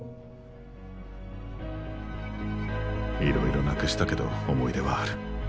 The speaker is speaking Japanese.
いろいろなくしたけど思い出はある。